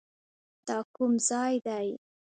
دا کوم ځاى دى.